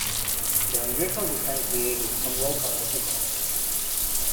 The unusual design created some local resistance.